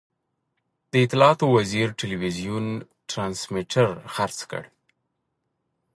د اطلاعاتو وزیر ټلوېزیون ټرانسمیټر خرڅ کړ.